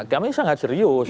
kami sangat serius